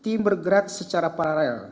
tim bergerak secara paralel